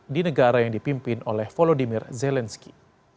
di negara yang dipimpin oleh volodymyr zelensky